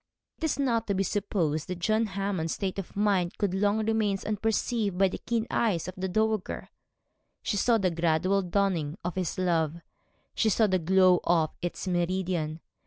It is not to be supposed that John Hammond's state of mind could long remain unperceived by the keen eyes of the dowager. She saw the gradual dawning of his love, she saw the glow of its meridian.